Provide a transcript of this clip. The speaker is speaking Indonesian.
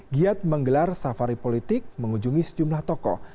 giat menggelar safari politik mengunjungi sejumlah tokoh